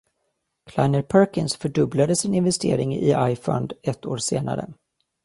Kleiner Perkins fördubblade sin investering i iFund ett år senare.